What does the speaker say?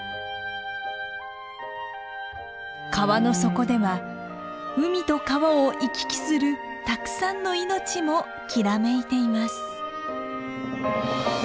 川の底では海と川を行き来するたくさんの命もきらめいています。